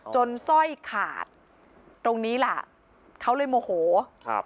สร้อยขาดตรงนี้ล่ะเขาเลยโมโหครับ